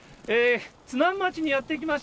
津南町にやって来ました。